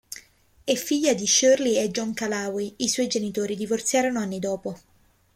È figlia di Shirley e John Callaway; i suoi genitori divorziarono anni dopo.